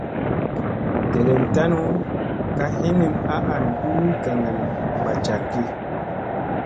Delen tanu ka hinin a an duu gagaŋ mbaa jakki.